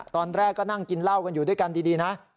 ตอนแรกก็นั่งกินเหล้ากันอยู่ด้วยกันดีนะ